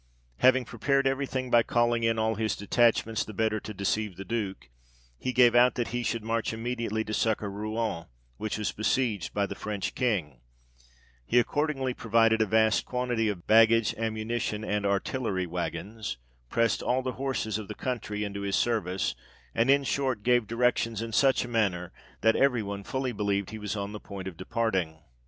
Having prepared every thing, by calling in all his detachments, the better to deceive the Duke, he gave out, that he should march immediately to succour Rouen, which was besieged by the French King ; he accordingly provided a vast quantity of baggage, ammunition, and artillery waggons ; pressed all the horses of the country into his 8o THE REIGN OF GEORGE VI. service, and in short, gave directions in such a manner, that every one fully believed he was on the point of departing.